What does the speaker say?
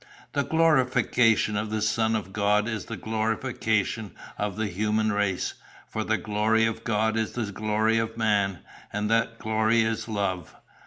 The glorification of the Son of God is the glorification of the human race; for the glory of God is the glory of man, and that glory is love.